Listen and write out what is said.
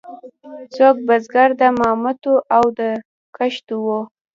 څوک بزګر د مامتو او د کښتو وو.